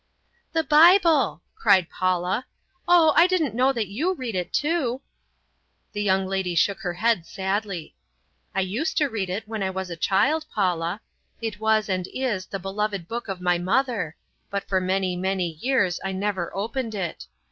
"The Bible!" cried Paula, "Oh, I didn't know that you read it too." The young lady shook her head sadly, "I used to read it when I was a child, Paula. It was and is the beloved Book of my mother, but for many, many years I never opened it.